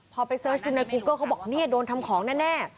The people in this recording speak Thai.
พอไปเสิร์ชอยู่ในกูเกอร์เขาบอกเนี่ยโดนทำของแน่